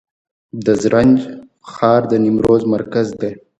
د زرنج ښار د نیمروز مرکز دی